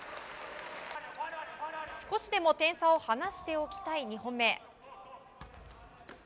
少しでも点差を離しておきたい２本目。